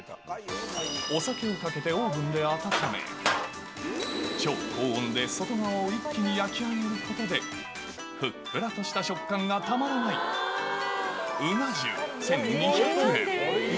お酒をかけてオーブンで温め、超高温で外側を一気に焼き上げることで、ふっくらとした食感がたまらない、鰻重１２００円。